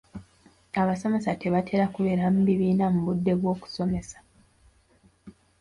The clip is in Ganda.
Abasomesa tebatera kubeera mu bibiina mu budde bw'okusomesa.